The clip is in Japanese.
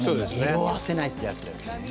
色あせないってやつですね。